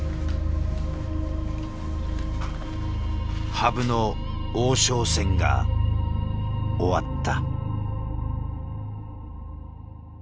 羽生の王将戦が終わった。